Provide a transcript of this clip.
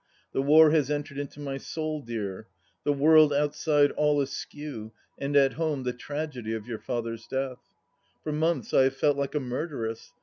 The War has entered into my soul, dear. The world outside all askew, and at home the tragedy of your father's death. For months I have felt like a murderess.